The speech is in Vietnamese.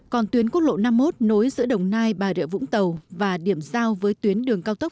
còn tuyến quốc lộ năm mươi một nối giữa đồng nai bà rịa vũng tàu và điểm giao với tuyến đường cao tốc